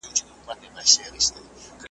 د یوې لويی غونډي .